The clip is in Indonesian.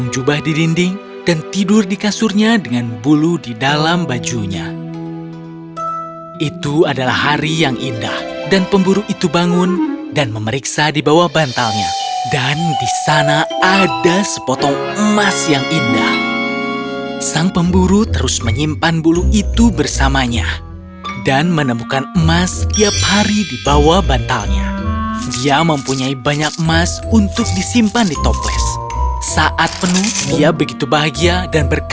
jangan lupa untuk berikan dukungan di kolom komentar